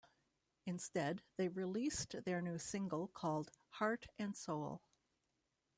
Instead, they released their new single called "Heart and Soul".